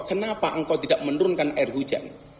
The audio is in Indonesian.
kenapa engkau tidak menurunkan air hujan